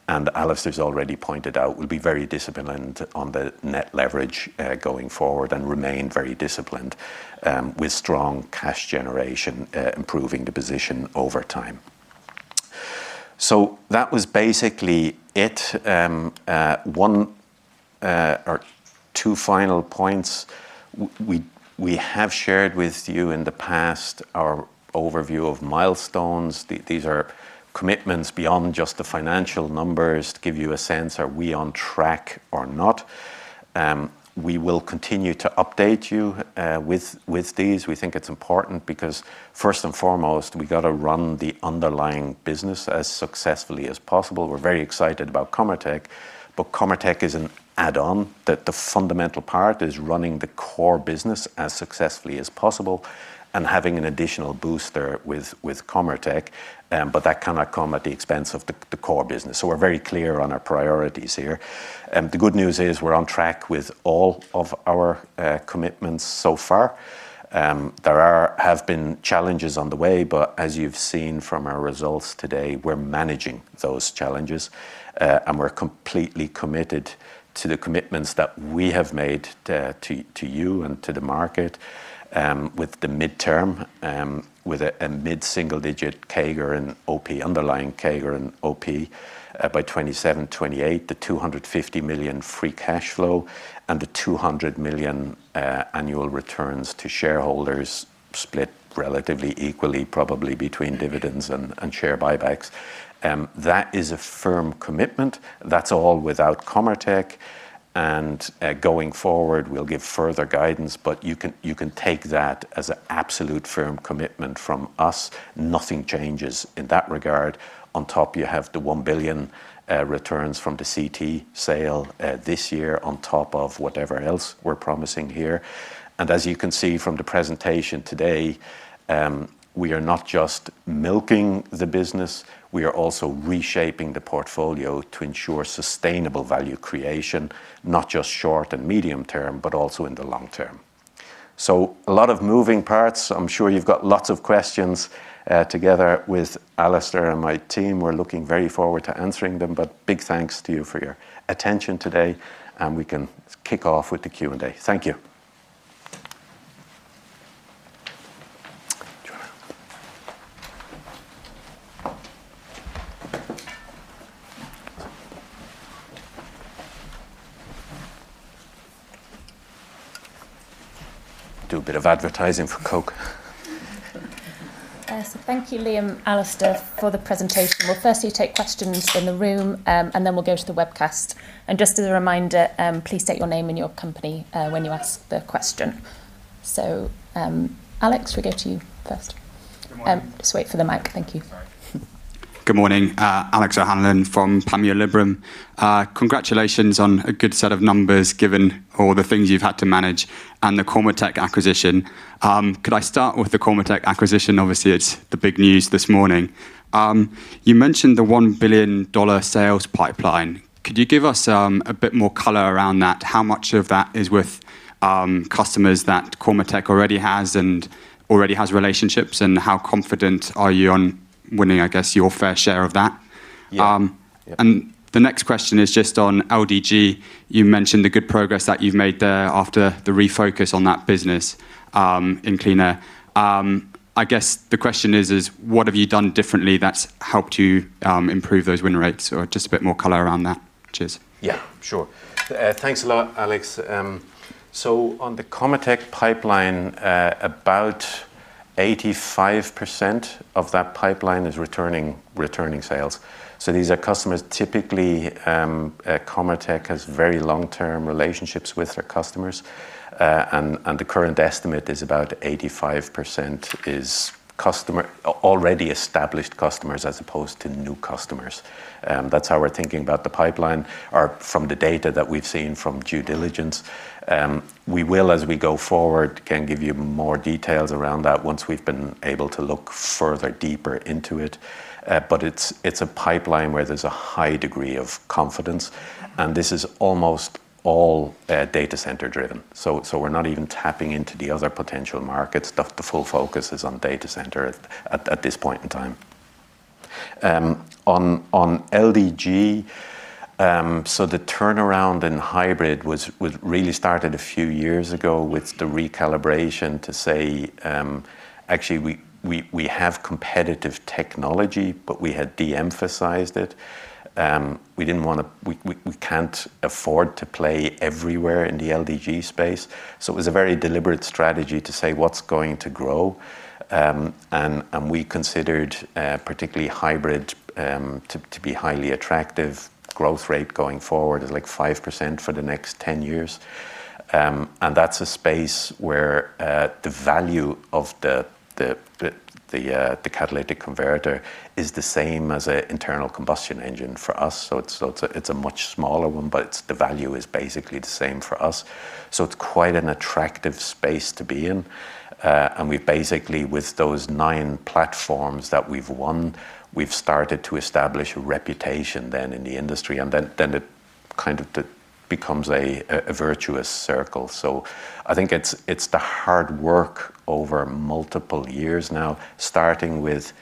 Alastair's already pointed out we'll be very disciplined on the net leverage going forward and remain very disciplined with strong cash generation improving the position over time. That was basically it. One or two final points. We have shared with you in the past our overview of milestones. These are commitments beyond just the financial numbers to give you a sense, are we on track or not? We will continue to update you with these. We think it's important because first and foremost, we got to run the underlying business as successfully as possible. We're very excited about Cormetech is an add-on, that the fundamental part is running the core business as successfully as possible and having an additional boost there with Cormetech. That cannot come at the expense of the core business. We're very clear on our priorities here. The good news is we're on track with all of our commitments so far. There have been challenges on the way, as you've seen from our results today, we're managing those challenges. We're completely committed to the commitments that we have made to you and to the market with the midterm, with a mid-single-digit CAGR and OP underlying CAGR and OP by 2027, 2028, the 250 million free cash flow and the 200 million annual returns to shareholders split relatively equally, probably between dividends and share buybacks. That is a firm commitment. That's all without Cormetech. Going forward, we'll give further guidance, but you can take that as an absolute firm commitment from us. Nothing changes in that regard. On top, you have the 1 billion returns from the CT sale this year on top of whatever else we're promising here. As you can see from the presentation today, we are not just milking the business. We are also reshaping the portfolio to ensure sustainable value creation, not just short and medium term, but also in the long term. A lot of moving parts. I'm sure you've got lots of questions. Together with Alastair and my team, we're looking very forward to answering them. Big thanks to you for your attention today, and we can kick off with the Q&A. Thank you. Do a bit of advertising for Coke Excellent. Thank you, Liam, Alastair, for the presentation. We'll firstly take questions in the room, then we'll go to the webcast. Just as a reminder, please state your name and your company when you ask the question. Alex, we'll go to you first. Good morning. Just wait for the mic. Thank you. Sorry. Good morning. Alex O'Hanlon from Panmure Liberum. Congratulations on a good set of numbers, given all the things you've had to manage and the Cormetech acquisition. Could I start with the Cormetech acquisition? Obviously, it's the big news this morning. You mentioned the GBP 1 billion sales pipeline. Could you give us a bit more color around that? How much of that is with customers that Cormetech already has relationships, and how confident are you on winning, I guess, your fair share of that? The next question is just on LDG. You mentioned the good progress that you've made there after the refocus on that business in Clean Air. I guess the question is, what have you done differently that's helped you improve those win rates? Or just a bit more color around that. Cheers. Yeah, sure. Thanks a lot, Alex. On the Cormetech pipeline, about 85% of that pipeline is returning sales. These are customers. Typically, Cormetech has very long-term relationships with their customers. The current estimate is about 85% is already established customers as opposed to new customers. That's how we're thinking about the pipeline or from the data that we've seen from due diligence. We will, as we go forward, can give you more details around that once we've been able to look further deeper into it. It's a pipeline where there's a high degree of confidence, and this is almost all data center driven. We're not even tapping into the other potential markets. The full focus is on data center at this point in time. On LDG, the turnaround in hybrid really started a few years ago with the recalibration to say, actually we have competitive technology, but we had de-emphasized it. We can't afford to play everywhere in the LDG space. It was a very deliberate strategy to say what's going to grow. We considered particularly hybrid to be highly attractive. Growth rate going forward is like 5% for the next 10 years, and that's a space where the value of the catalytic converter is the same as an internal combustion engine for us. It's a much smaller one, but the value is basically the same for us. It's quite an attractive space to be in. We've basically, with those nine platforms that we've won, we've started to establish a reputation then in the industry, and then it kind of becomes a virtuous circle. I think it's the hard work over multiple years now, starting with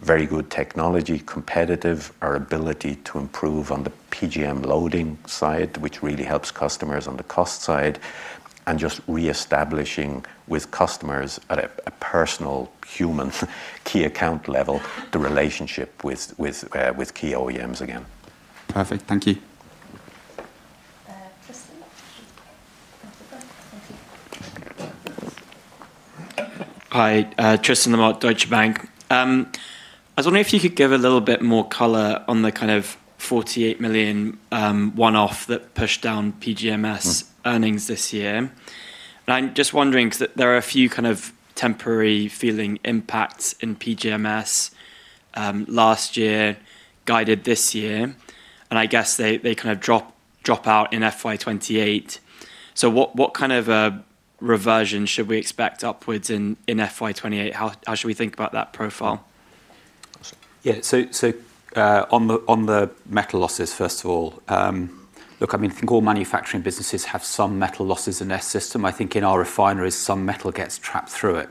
very good technology, competitive, our ability to improve on the PGM loading side, which really helps customers on the cost side, and just reestablishing with customers at a personal human key account level, the relationship with key OEMs again. Perfect. Thank you. Tristan. Come to the front. Thank you. Hi. Tristan Lamotte, Deutsche Bank. I was wondering if you could give a little bit more color on the kind of 48 million one-off that pushed down PGMS earnings this year. I'm just wondering, because there are a few kind of temporary feeling impacts in PGMS, last year, guided this year, and I guess they kind of drop out in FY 2028. What kind of a reversion should we expect upwards in FY 2028? How should we think about that profile? On the metal losses, first of all. Look, I mean, I think all manufacturing businesses have some metal losses in their system. I think in our refineries, some metal gets trapped through it.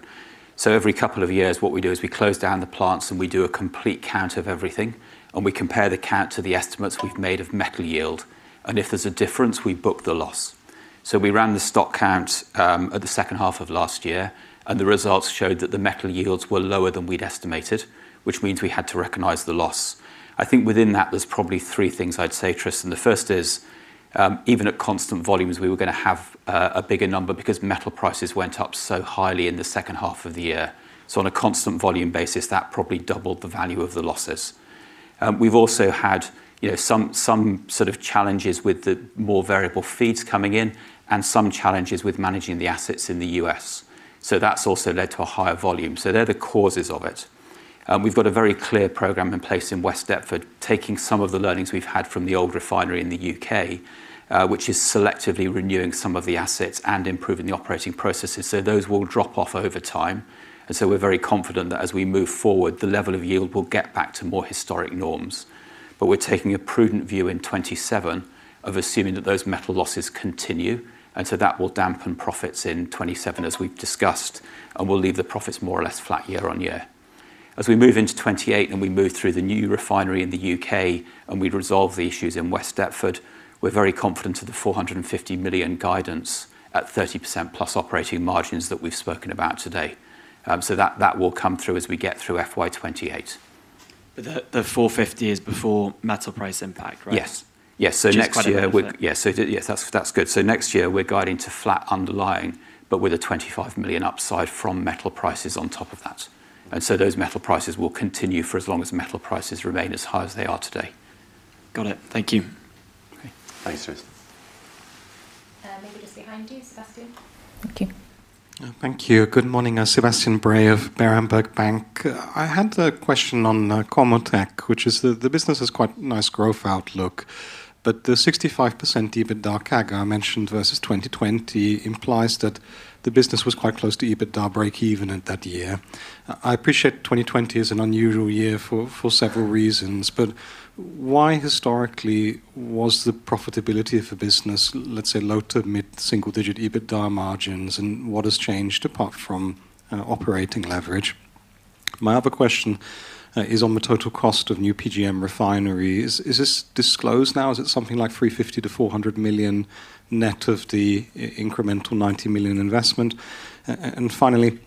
Every couple of years, what we do is we close down the plants, and we do a complete count of everything, and we compare the count to the estimates we've made of metal yield. If there's a difference, we book the loss. We ran the stock count at the second half of last year, and the results showed that the metal yields were lower than we'd estimated, which means we had to recognize the loss. I think within that, there's probably three things I'd say, Tristan. The first is, even at constant volumes, we were going to have a bigger number because metal prices went up so highly in the second half of the year. On a constant volume basis, that probably doubled the value of the losses. We've also had some sort of challenges with the more variable feeds coming in and some challenges with managing the assets in the U.S. That's also led to a higher volume. They're the causes of it. We've got a very clear program in place in West Deptford, taking some of the learnings we've had from the old refinery in the U.K., which is selectively renewing some of the assets and improving the operating processes. Those will drop off over time. We're very confident that as we move forward, the level of yield will get back to more historic norms. We're taking a prudent view in 2027 of assuming that those metal losses continue, and so that will dampen profits in 2027, as we've discussed, and will leave the profits more or less flat year-on-year. As we move into 2028 and we move through the new refinery in the U.K. and we resolve the issues in West Deptford, we're very confident of the 450 million guidance at 30%+ operating margins that we've spoken about today. That will come through as we get through FY 2028. The 450 is before metal price impact, right? Yes. Which is quite impressive. Yes, that's good. Next year we're guiding to flat underlying, but with a 25 million upside from metal prices on top of that. Those metal prices will continue for as long as metal prices remain as high as they are today. Got it. Thank you. Okay. Thanks, Tristan. Maybe just behind you, Sebastian. Thank you. Thank you. Good morning. Sebastian Bray of Berenberg Bank. I had a question on Cormetech, which is the business has quite nice growth outlook, but the 65% EBITDA CAGR mentioned versus 2020 implies that the business was quite close to EBITDA breakeven in that year. I appreciate 2020 is an unusual year for several reasons, but why historically was the profitability of a business, let's say, low to mid-single-digit EBITDA margins, and what has changed apart from operating leverage? My other question is on the total cost of new PGM refineries. Is this disclosed now? Is it something like 350 million-400 million net of the incremental 90 million investment? Finally,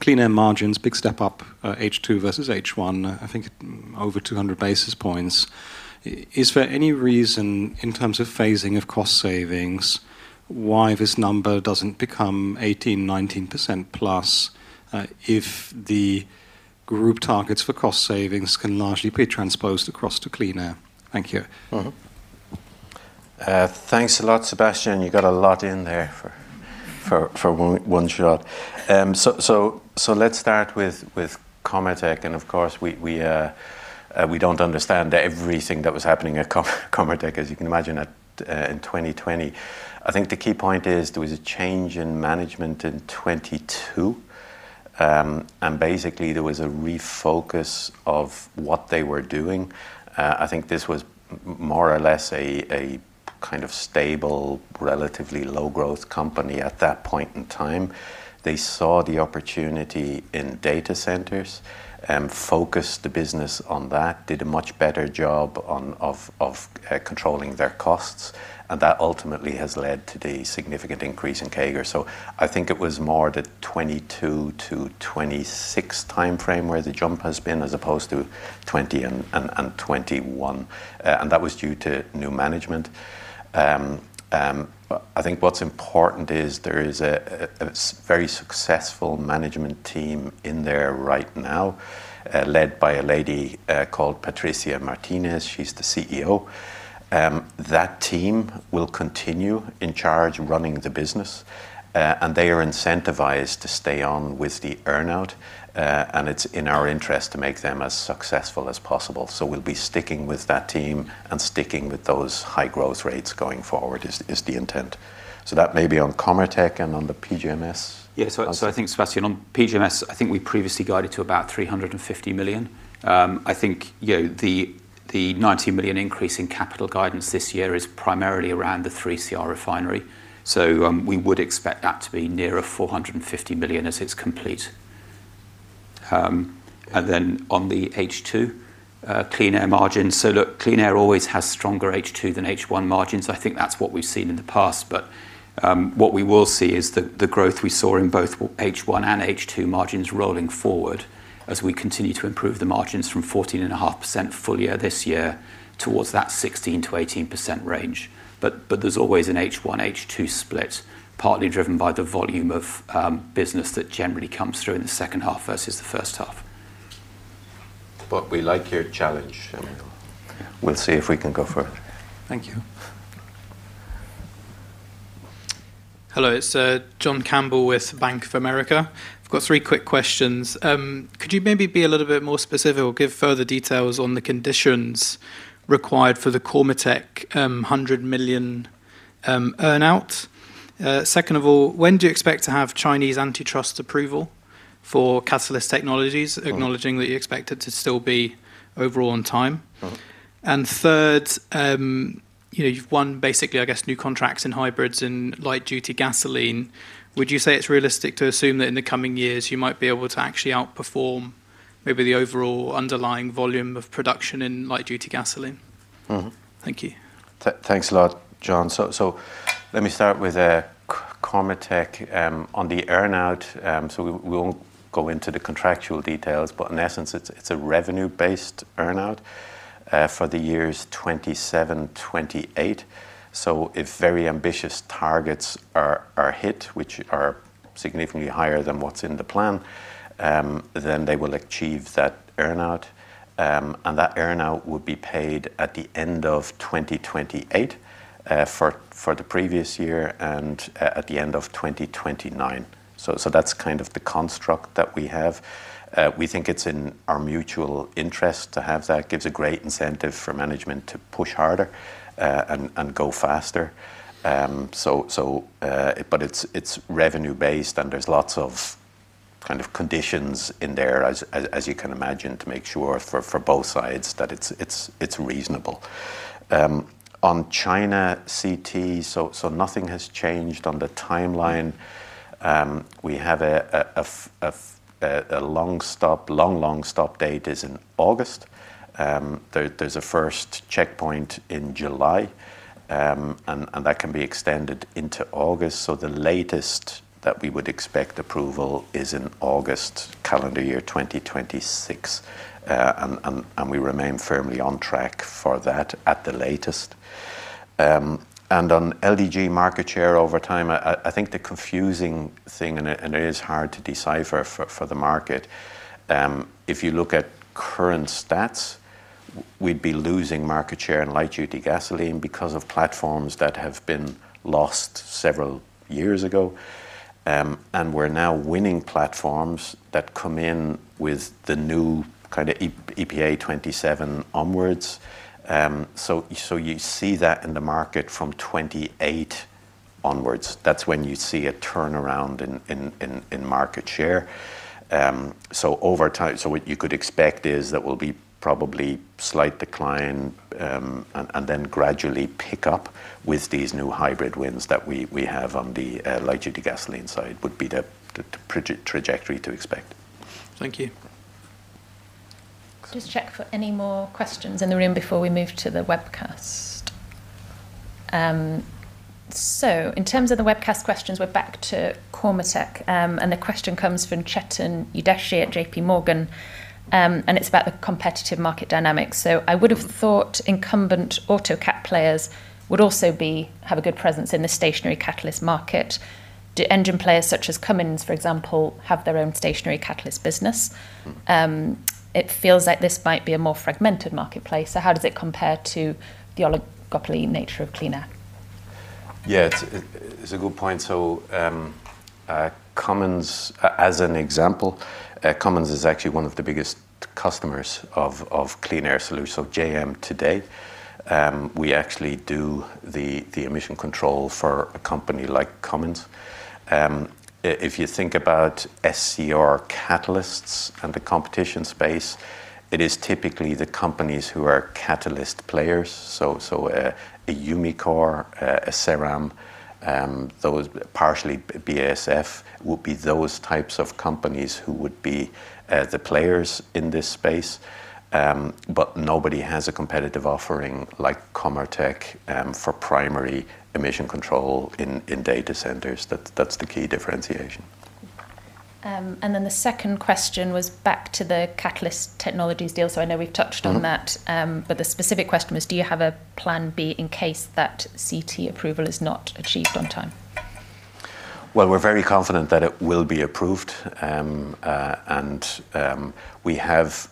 Clean Air margins, big step up H2 versus H1. I think over 200 basis points. Is there any reason in terms of phasing of cost savings why this number doesn't become 18%, 19%+, if the group targets for cost savings can largely be transposed across to Clean Air? Thank you. Thanks a lot, Sebastian. You got a lot in there for one shot. Let's start with Cormetech. Of course, we don't understand everything that was happening at Cormetech as you can imagine in 2020. I think the key point is there was a change in management in 2022. Basically, there was a refocus of what they were doing. I think this was more or less a kind of stable, relatively low-growth company at that point in time. They saw the opportunity in data centers and focused the business on that. Did a much better job of controlling their costs, and that ultimately has led to the significant increase in CAGR. I think it was more the 2022-2026 timeframe where the jump has been, as opposed to 2020 and 2021. That was due to new management. I think what's important is there is a very successful management team in there right now, led by a lady called Patricia Martinez. She's the CEO. That team will continue in charge running the business. They are incentivized to stay on with the earn-out. It's in our interest to make them as successful as possible. We'll be sticking with that team and sticking with those high growth rates going forward is the intent. That may be on Cormetech and on the PGMS. Yeah. I think Sebastian, on PGMS, I think we previously guided to about 350 million. I think the 19 million increase in capital guidance this year is primarily around the PGM refinery. We would expect that to be nearer 450 million as it's complete. On the H2 Clean Air marginLook, Clean Air always has stronger H2 than H1 margins. I think that's what we've seen in the past. What we will see is the growth we saw in both H1 and H2 margins rolling forward as we continue to improve the margins from 14.5% full year this year towards that 16%-18% range. There's always an H1, H2 split, partly driven by the volume of business that generally comes through in the second half versus the first half. We like your challenge now. We'll see if we can go for it. Thank you. Hello. It's John Campbell with Bank of America. I've got three quick questions. Could you maybe be a little bit more specific or give further details on the conditions required for the Cormetech 100 million earn-out? Second of all, when do you expect to have Chinese antitrust approval for Catalyst Technologies acknowledging that you expect it to still be overall on time? Third, you've won basically, I guess, new contracts in hybrids and light-duty gasoline. Would you say it's realistic to assume that in the coming years you might be able to actually outperform maybe the overall underlying volume of production in light-duty gasoline? Thank you. Thanks a lot, John. Let me start with Cormetech. On the earn-out, we won't go into the contractual details, in essence it's a revenue-based earn-out for the years 2027, 2028. If very ambitious targets are hit, which are significantly higher than what's in the plan, they will achieve that earn-out. That earn-out would be paid at the end of 2028 for the previous year and at the end of 2029. That's kind of the construct that we have. We think it's in our mutual interest to have that. Gives a great incentive for management to push harder and go faster. It's revenue based and there's lots of kind of conditions in there as you can imagine, to make sure for both sides that it's reasonable. On China CT, nothing has changed on the timeline. We have a long stop date is in August. There's a first checkpoint in July, and that can be extended into August. The latest that we would expect approval is in August calendar year 2026, and we remain firmly on track for that at the latest. On LDG market share over time, I think the confusing thing, and it is hard to decipher for the market, if you look at current stats, we'd be losing market share in light-duty gasoline because of platforms that have been lost several years ago. We're now winning platforms that come in with the new kind of EPA 2027 onwards. You see that in the market from 2028 onwards. That's when you see a turnaround in market share. What you could expect is that we'll be probably slight decline, and then gradually pick up with these new hybrid wins that we have on the light-duty gasoline side, would be the trajectory to expect. Thank you. Just check for any more questions in the room before we move to the webcast. In terms of the webcast questions, we're back to Cormetech, the question comes from Chetan Udeshi at JPMorgan. It's about the competitive market dynamics. I would have thought incumbent auto cat players would also have a good presence in the stationary catalyst market. Do engine players such as Cummins, for example, have their own stationary catalyst business? It feels like this might be a more fragmented marketplace, so how does it compare to the oligopoly nature of Clean Air? Yeah, it's a good point. Cummins, as an example, Cummins is actually one of the biggest customers of Clean Air Solutions, JM, today. We actually do the emission control for a company like Cummins. If you think about SCR catalysts and the competition space, it is typically the companies who are catalyst players. A Umicore, a Ceram, partially BASF, would be those types of companies who would be the players in this space. Nobody has a competitive offering like Cormetech for primary emission control in data centers. That's the key differentiation. The second question was back to the Catalyst Technologies deal. I know we've touched on that. The specific question was, do you have a plan B in case that CT approval is not achieved on time? Well, we're very confident that it will be approved, and we have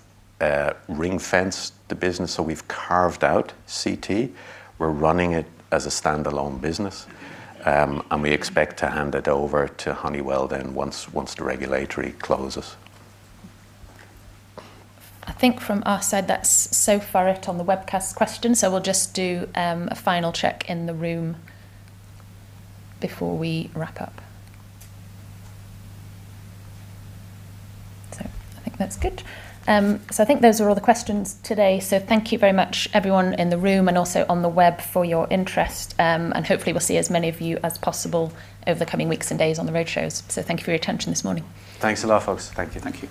ring-fenced the business. We've carved out CT. We're running it as a standalone business, and we expect to hand it over to Honeywell then once the regulatory closes. I think from our side, that's so far it on the webcast questions. We'll just do a final check in the room before we wrap up. I think that's good. I think those are all the questions today. Thank you very much everyone in the room and also on the web for your interest, and hopefully we'll see as many of you as possible over the coming weeks and days on the road shows. Thank you for your attention this morning. Thanks a lot, folks. Thank you.